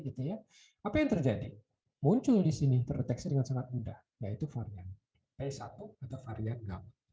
gitu ya apa yang terjadi muncul disini terdeteksi dengan sangat mudah yaitu varian p satu atau varian gam